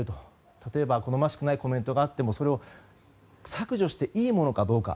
例えば好ましくないコメントがあってもそれを削除していいものかどうか。